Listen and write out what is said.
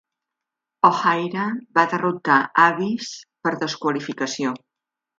O'Haire va derrotar Abyss per desqualificació.